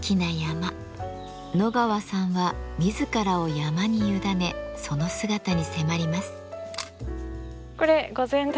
野川さんは自らを山に委ねその姿に迫ります。